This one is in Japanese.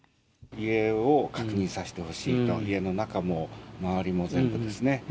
家を確認させてほしいと、家の中も、周りも全部ですね。